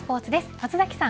松崎さん